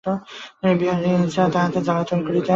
বিহারী ইচ্ছা করিয়া তাহাকে জ্বালাতন করে।